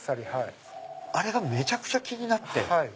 あれがめちゃくちゃ気になって。